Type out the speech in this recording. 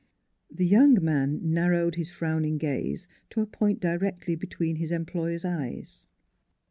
" The young man narrowed his frowning gaze to a point directly between his employer's eyes.